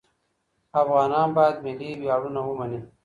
افغانان باید ملي ویاړونه ومني.